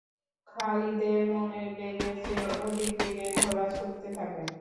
খালিদের মনের বেগের চেয়ে অধিক বেগে ঘোড়া ছুটতে থাকে।